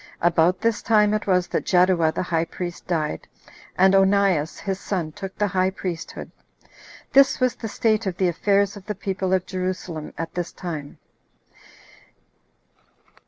About this time it was that Jaddua the high priest died, and Onias his son took the high priesthood. This was the state of the affairs of the people of Jerusalem at this time.